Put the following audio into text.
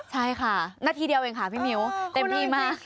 ใช่ค่ะนาทีเดียวเองค่ะพี่มิ้วเต็มที่มาก